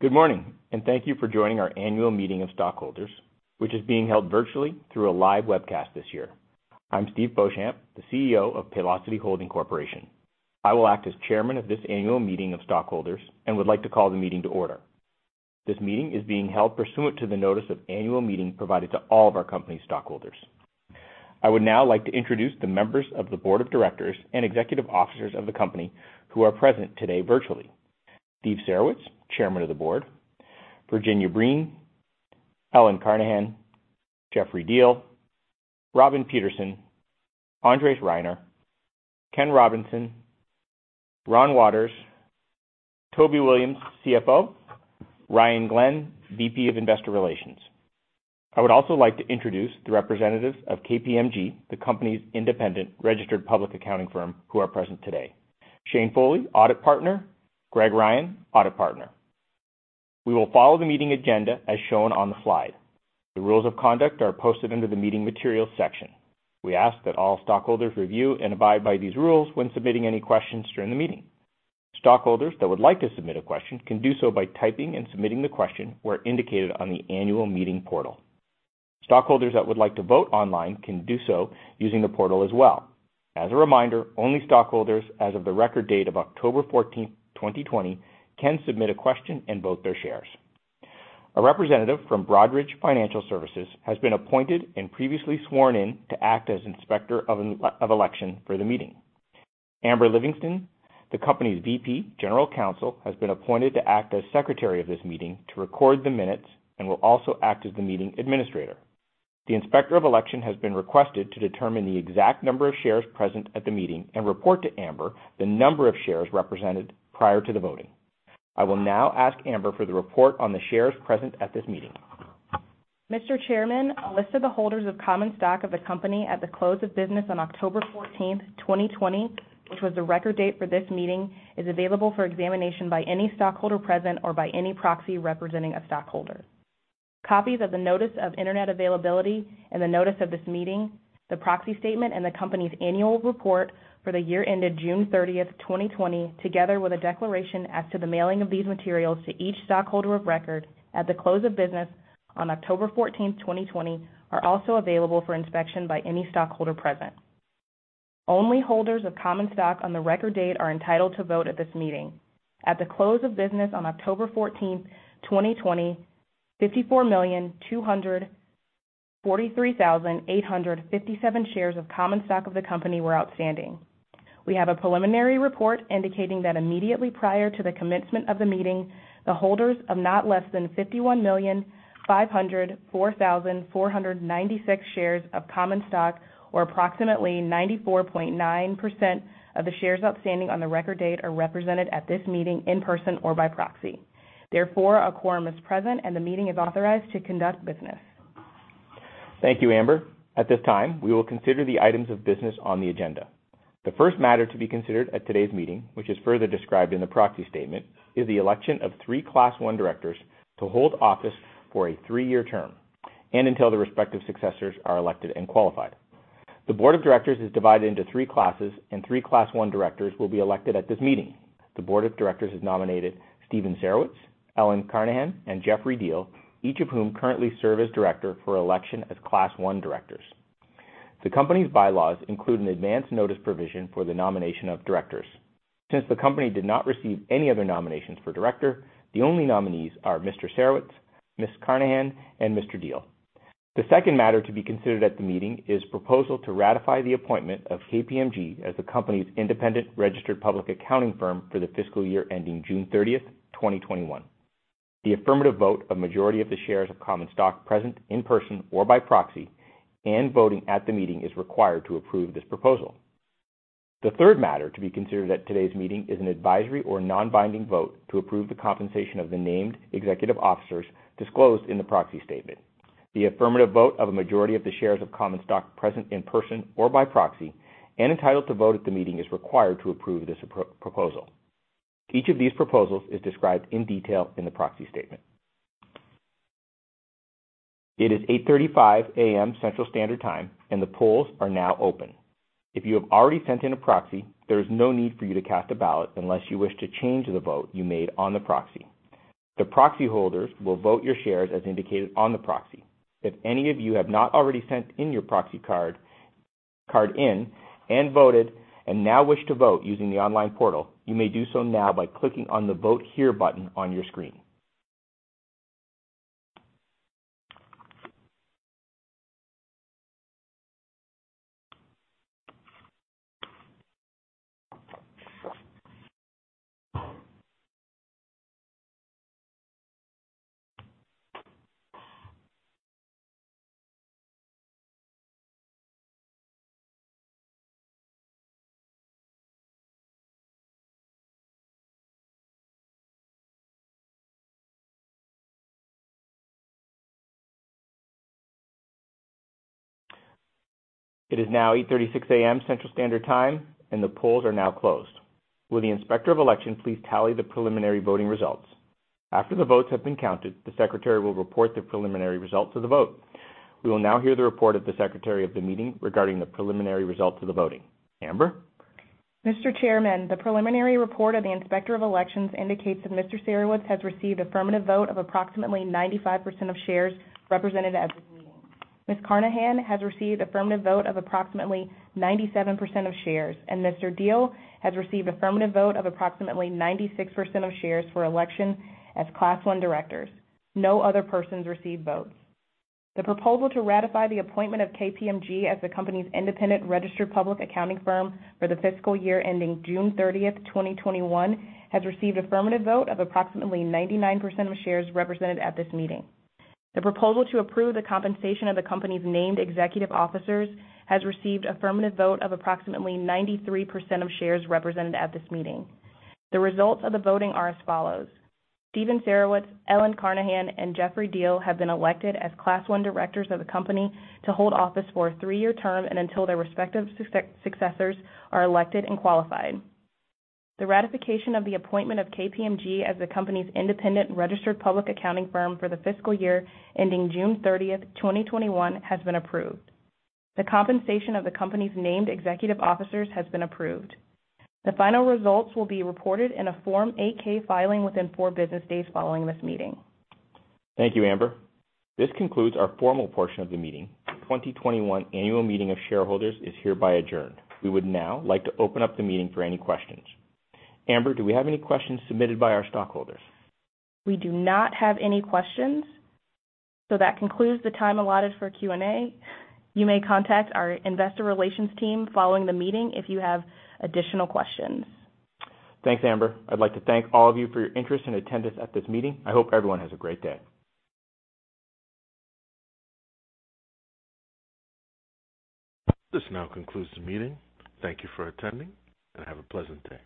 Good morning, and thank you for joining our annual meeting of stockholders, which is being held virtually through a live webcast this year. I'm Steve Beauchamp, the CEO of Paylocity Holding Corporation. I will act as chairman of this annual meeting of stockholders and would like to call the meeting to order. This meeting is being held pursuant to the Notice of Annual Meeting provided to all of our company's stockholders. I would now like to introduce the members of the Board of Directors and executive officers of the company who are present today virtually: Steve Sarowitz, Chairman of the Board, Virginia Breen, Ellen Carnahan, Jeffrey Diehl, Robin Pederson, Andres Reiner, Ken Robinson, Ron Waters, Toby Williams, CFO, Ryan Glenn, VP of Investor Relations. I would also like to introduce the representatives of KPMG, the company's independent registered public accounting firm, who are present today: Shane Foley, Audit Partner; Greg Ryan, Audit Partner. We will follow the meeting agenda as shown on the slide. The rules of conduct are posted under the meeting materials section. We ask that all stockholders review and abide by these rules when submitting any questions during the meeting. Stockholders that would like to submit a question can do so by typing and submitting the question where indicated on the annual meeting portal. Stockholders that would like to vote online can do so using the portal as well. As a reminder, only stockholders as of the record date of October 14, 2020, can submit a question and vote their shares. A representative from Broadridge Financial Services has been appointed and previously sworn in to act as inspector of election for the meeting. Amber Livingston, the company's VP, General Counsel, has been appointed to act as secretary of this meeting to record the minutes and will also act as the meeting administrator. The inspector of election has been requested to determine the exact number of shares present at the meeting and report to Amber the number of shares represented prior to the voting. I will now ask Amber for the report on the shares present at this meeting. Mr. Chairman, a list of the holders of common stock of the company at the close of business on October 14th, 2020, which was the record date for this meeting, is available for examination by any stockholder present or by any proxy representing a stockholder. Copies of the Notice of Internet Availability and the notice of this meeting, the Proxy Statement, and the company's annual report for the year ended June 30th, 2020, together with a declaration as to the mailing of these materials to each stockholder of record at the close of business on October 14th, 2020, are also available for inspection by any stockholder present. Only holders of common stock on the record date are entitled to vote at this meeting. At the close of business on October 14th, 2020, 54,243,857 shares of common stock of the company were outstanding. We have a preliminary report indicating that immediately prior to the commencement of the meeting, the holders of not less than 51,504,496 shares of common stock, or approximately 94.9% of the shares outstanding on the record date, are represented at this meeting in person or by proxy. Therefore, a quorum is present, and the meeting is authorized to conduct business. Thank you, Amber. At this time, we will consider the items of business on the agenda. The first matter to be considered at today's meeting, which is further described in the proxy statement, is the election of three Class I Directors to hold office for a three-year term and until the respective successors are elected and qualified. The board of directors is divided into three classes, and three Class I Directors will be elected at this meeting. The Board of Directors has nominated Steven Sarowitz, Ellen Carnahan, and Jeffrey Diehl, each of whom currently serve as director for election as Class I Directors. The company's bylaws include an advance notice provision for the nomination of directors. Since the company did not receive any other nominations for director, the only nominees are Mr. Sarowitz, Ms. Carnahan, and Mr. Diehl. The second matter to be considered at the meeting is the proposal to ratify the appointment of KPMG as the company's independent registered public accounting firm for the fiscal year ending June 30th, 2021. The affirmative vote of the majority of the shares of common stock present in person or by proxy and voting at the meeting is required to approve this proposal. The third matter to be considered at today's meeting is an advisory or non-binding vote to approve the compensation of the named executive officers disclosed in the proxy statement. The affirmative vote of the majority of the shares of common stock present in person or by proxy and entitled to vote at the meeting is required to approve this proposal. Each of these proposals is described in detail in the proxy statement. It is 8:35 A.M. Central Standard Time, and the polls are now open. If you have already sent in a proxy, there is no need for you to cast a ballot unless you wish to change the vote you made on the proxy. The proxy holders will vote your shares as indicated on the proxy. If any of you have not already sent in your proxy card and voted and now wish to vote using the online portal, you may do so now by clicking on the Vote Here button on your screen. It is now 8:36 A.M. Central Standard Time, and the polls are now closed. Will the inspector of election please tally the preliminary voting results? After the votes have been counted, the secretary will report the preliminary results of the vote. We will now hear the report of the secretary of the meeting regarding the preliminary results of the voting. Amber? Mr. Chairman, the preliminary report of the inspector of elections indicates that Mr. Sarowitz has received an affirmative vote of approximately 95% of shares represented at this meeting. Ms. Carnahan has received an affirmative vote of approximately 97% of shares, and Mr. Diehl has received an affirmative vote of approximately 96% of shares for election as Class I Directors. No other persons received votes. The proposal to ratify the appointment of KPMG as the company's independent registered public accounting firm for the fiscal year ending June 30th, 2021, has received an affirmative vote of approximately 99% of shares represented at this meeting. The proposal to approve the compensation of the company's named executive officers has received an affirmative vote of approximately 93% of shares represented at this meeting. The results of the voting are as follows: Steven Sarowitz, Ellen Carnahan, and Jeffrey Diehl have been elected as Class I Directors of the company to hold office for a three-year term and until their respective successors are elected and qualified. The ratification of the appointment of KPMG as the company's independent registered public accounting firm for the fiscal year ending June 30th, 2021 has been approved. The compensation of the company's named executive officers has been approved. The final results will be reported in a Form 8-K filing within four business days following this meeting. Thank you, Amber. This concludes our formal portion of the meeting. The 2021 annual meeting of shareholders is hereby adjourned. We would now like to open up the meeting for any questions. Amber, do we have any questions submitted by our stockholders? We do not have any questions, so that concludes the time allotted for Q&A. You may contact our investor relations team following the meeting if you have additional questions. Thanks, Amber. I'd like to thank all of you for your interest and attendance at this meeting. I hope everyone has a great day. This now concludes the meeting. Thank you for attending, and have a pleasant day.